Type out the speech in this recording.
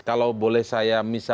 kalau boleh saya menjawab